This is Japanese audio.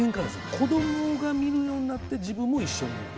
こどもが見るようになって自分も一緒に見て。